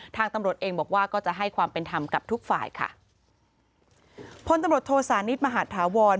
ทางตำรวจเองบอกว่าก็จะให้ความเป็นธรรมกับทุกฝ่ายค่ะพลตำรวจโทษานิทมหาธาวร